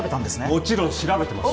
もちろん調べてます